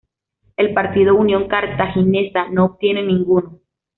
El Partido Unión Cartaginesa no obtiene ninguno.